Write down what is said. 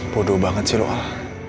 bodoh banget sih lo al